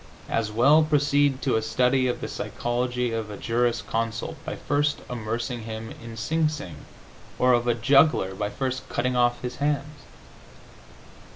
As well proceed to a study of the psychology of a juris consult by first immersing him in Sing Sing, or of a juggler by first cutting off his hands.